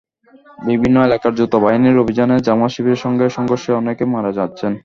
বিভিন্ন এলাকায় যৌথ বাহিনীর অভিযানে জামায়াত-শিবিরের সঙ্গে সংঘর্ষে অনেকে মারা যাচ্ছেন।